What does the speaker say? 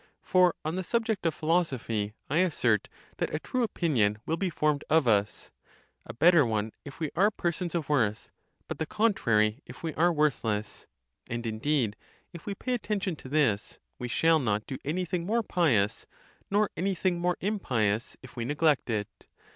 For on the subject of philosophy I assert that a true opinion will be formed of us; a better one if we are persons of worth, but the contrary, if we are worthless. And indeed, if we pay attention to this, we shall not do any thing more pious ; nor any thing more impious, if we neglect it.